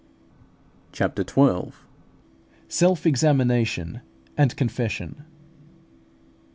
CHAPTER XII. SELF EXAMINATION AND CONFESSION.